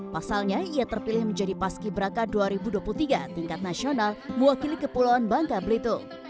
pasalnya ia terpilih menjadi paski braka dua ribu dua puluh tiga tingkat nasional mewakili kepulauan bangka belitung